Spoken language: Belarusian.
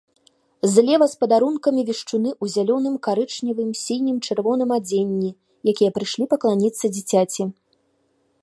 Злева з падарункамі вешчуны ў зялёным, карычневым, сінім, чырвоным адзенні, якія прыйшлі пакланіцца дзіцяці.